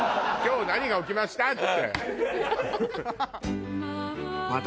今日何が起きましたって。